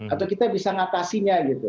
atau kita bisa ngatasinya gitu